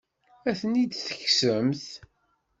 Ad tent-id-tekksemt?